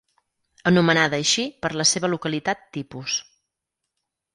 Anomenada així per la seva localitat tipus.